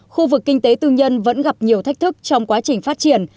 khu vực kinh tế tư nhân vẫn gặp nhiều thách thức trong quá trình phát triển